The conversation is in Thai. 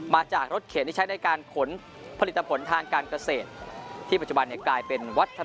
มาจากรถเข็นที่ใช้ในการขนผลิตผลทางการเกษตรที่ปัจจุบันเนี่ยกลายเป็นวัฒน